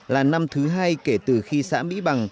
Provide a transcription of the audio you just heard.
là năm thứ hai kể từ khi xã mỹ bằng